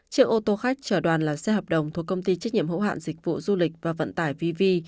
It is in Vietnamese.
chiếc ô tô khách chở đoàn là xe hợp đồng thuộc công ty trách nhiệm hữu hạn dịch vụ du lịch và vận tải vv